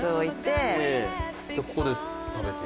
ここで食べて。